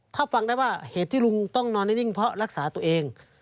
ถ้าฟังได้ว่าเหตุที่ลุงต้องนอนนิ่งเพราะรักษาตัวเอง